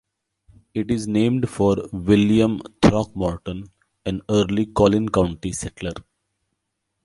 It is named for William Throckmorton, an early Collin County settler.